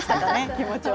気持ちは。